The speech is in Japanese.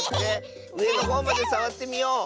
うえのほうまでさわってみよう。